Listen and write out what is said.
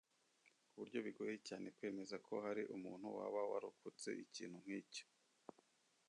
kuburyo bigoye cyane kwemeza ko hari umuntu waba warokotse ikintu nk’icyo